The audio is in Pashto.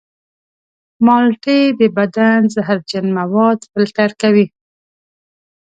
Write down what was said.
مالټې د بدن زهرجن مواد فلتر کوي.